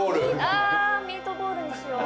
ああミートボールにしよう。